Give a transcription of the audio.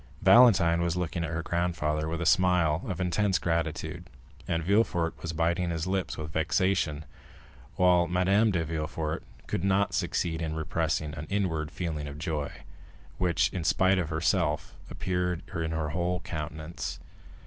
Valentine was looking at her grandfather with a smile of intense gratitude, and Villefort was biting his lips with vexation, while Madame de Villefort could not succeed in repressing an inward feeling of joy, which, in spite of herself, appeared in her whole countenance.